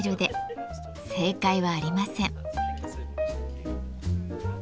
正解はありません。